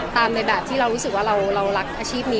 ในแบบที่เรารู้สึกว่าเรารักอาชีพนี้